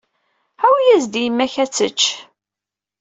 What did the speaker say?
Awi-yas-d i yemma-k ad tečč.